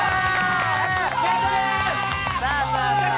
さあさあさあ